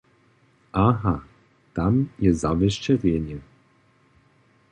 Aha, tam je zawěsće rjenje.